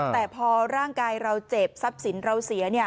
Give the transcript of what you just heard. แต่พอร่างกายเราเจ็บทรัพย์สินเราเสียเนี่ย